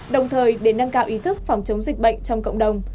đồng thời để nâng cao ý thức phòng chống dịch bệnh trong cộng đồng